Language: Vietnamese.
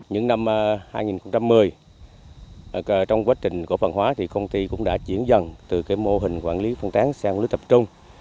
những năm hai nghìn một mươi trong quá trình cổ phần hóa thì công ty cũng đã chuyển dần từ mô hình quản lý phân tán sang lưới tập trung